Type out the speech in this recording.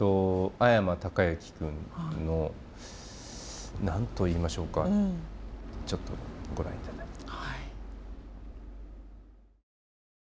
阿山隆之くんの何と言いましょうかちょっとご覧頂いて。